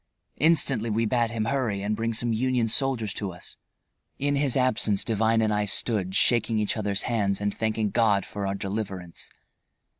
Instantly we bade him hurry and bring some Union soldiers to us. In his absence Devine and I stood shaking each other's hands and thanking God for our deliverance.